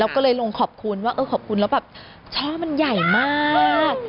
แล้วก็เลยลงขอบคุณว่าเออขอบคุณแล้วแบบช่อมันใหญ่มาก